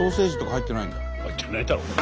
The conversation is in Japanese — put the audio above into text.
入ってないだろ。